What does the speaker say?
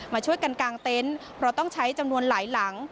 มาช่วยกันกางเต็นต์เพราะต้องใช้จำนวนหลายหลัง